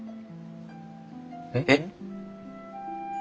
えっ？